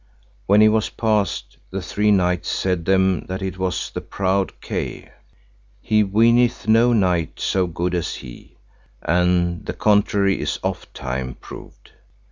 When he was passed the three knights said them that it was the proud Kay; He weeneth no knight so good as he, and the contrary is ofttime proved.